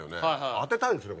当てたいですね